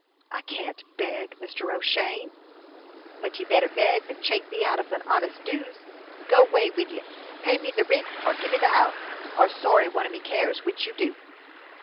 "I can't beg, Mr. O'Shane." "But ye better beg than chate me out of me honest dues. Go 'way wid ye! Pay me the rint, or give me the house; and sorra one of me cares which you do."